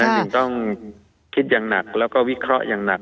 จึงต้องคิดอย่างหนักแล้วก็วิเคราะห์อย่างหนัก